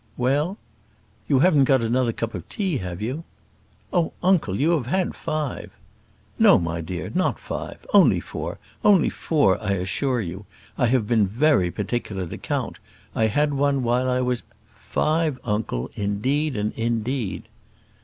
"Well?" "You haven't got another cup of tea, have you?" "Oh, uncle! you have had five." "No, my dear! not five; only four only four, I assure you; I have been very particular to count. I had one while I was " "Five uncle; indeed and indeed."